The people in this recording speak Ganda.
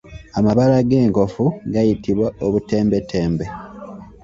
Amabala g’enkofu gayitibwa Obutembetembe.